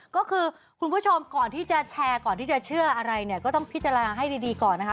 ก็คือคุณผู้ชมก่อนที่จะแชร์ก่อนที่จะเชื่ออะไรเนี่ยก็ต้องพิจารณาให้ดีก่อนนะคะ